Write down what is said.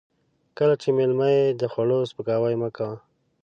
کله چې مېلمه يې د خوړو سپکاوی مه کوه.